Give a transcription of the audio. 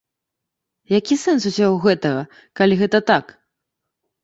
Які сэнс усяго гэтага, калі гэта так?